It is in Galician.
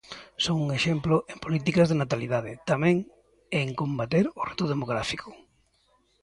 Son un exemplo en políticas de natalidade, tamén, e en combater o reto demográfico.